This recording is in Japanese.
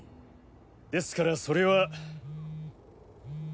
ですからそれは。